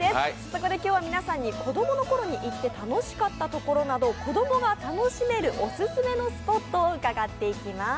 そこで今日は皆さんに子供のころに行って楽しかった所など子供が楽しめるオススメのスポットを伺っていきます。